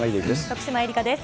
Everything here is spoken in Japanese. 徳島えりかです。